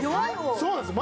そうなんです。